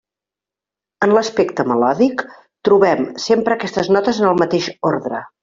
En l'aspecte melòdic, trobem sempre aquestes notes en el mateix ordre.